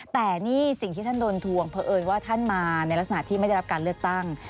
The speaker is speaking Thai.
แต่นี่สิ่งที่ท่านโดนทวงเพราะเอิญว่าท่านมาในลักษณะที่ไม่ได้รับการเลือกตั้ง